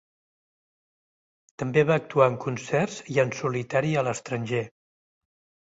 També va actuar en concerts i en solitari a l'estranger.